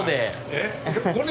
えっ？